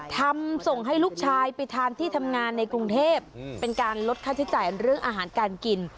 ส่งให้ลูกชายไปทานที่ทำงานในกรุงเทพเป็นการลดค่าใช้จ่ายเรื่องอาหารการกิน